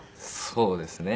そうですね。